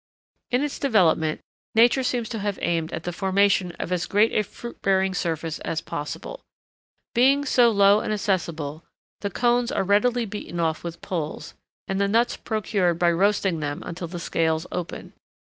In its development Nature seems to have aimed at the formation of as great a fruit bearing surface as possible. Being so low and accessible, the cones are readily beaten off with poles, and the nuts procured by roasting them until the scales open.